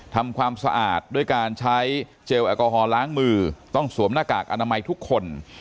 ทำความสะอาดด้วยการใช้เจลแอลกอฮอลล้างมือต้องสวมหน้ากากอนามัยทุกคน